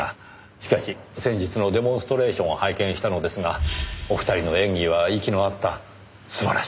しかし先日のデモンストレーションを拝見したのですがお二人の演技は息の合った素晴らしいものでした。